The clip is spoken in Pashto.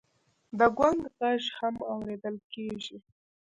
د ګونګ غږ هم اورېدل کېږي.